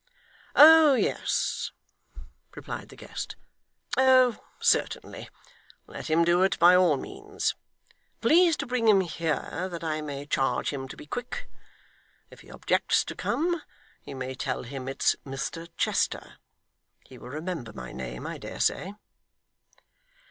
'Oh yes,' replied the guest. 'Oh certainly. Let him do it by all means. Please to bring him here that I may charge him to be quick. If he objects to come you may tell him it's Mr Chester. He will remember my name, I dare say.